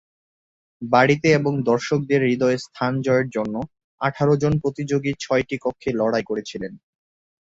বাড়িতে এবং দর্শকদের হৃদয়ে স্থান জয়ের জন্য আঠারো জন প্রতিযোগী ছয়টি কক্ষে লড়াই করেছিলেন।